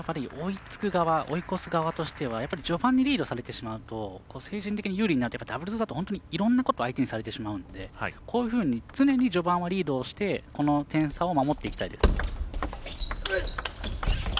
追いつく側、追い越す側としては序盤でリードされてしまうと精神的に有利でダブルスだといろんなことを相手にされてしまうのでこういうふうに常に序盤をリードしてこの点差を守っていきたいです。